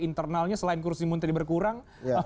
internalnya selain kursi menteri berkurang